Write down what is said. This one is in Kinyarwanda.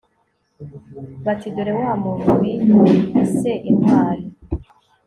bati dore wa muntu wiyise intwari